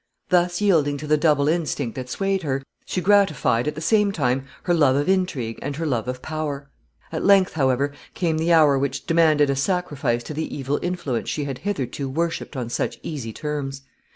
Thus yielding to the double instinct that swayed her, she gratified, at the same time, her love of intrigue and her love of power. At length, however, came the hour which demanded a sacrifice to the evil influence she had hitherto worshipped on such easy terms.